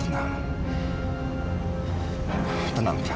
orang orang ini mensarankanmu waktunya